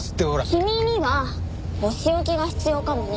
君にはお仕置きが必要かもね。